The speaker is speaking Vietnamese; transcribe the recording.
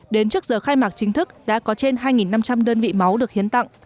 đến trước giờ khai mạc chính thức đã có trên hai năm trăm linh đơn vị máu được hiến tặng